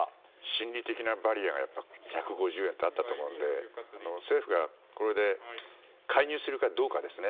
心理的なバリアが１５０円ってあったと思うので政府がこれで介入するかどうかですね。